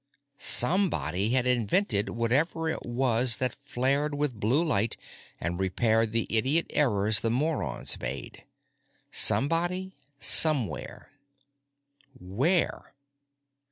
Somebody had invented whatever it was that flared with blue light and repaired the idiot errors the morons made. Somebody, somewhere. Where?